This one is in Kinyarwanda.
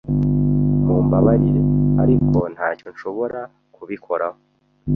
Mumbabarire, ariko ntacyo nshobora kubikoraho.